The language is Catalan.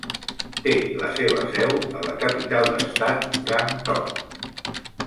Té la seva seu a la capital d'estat Gangtok.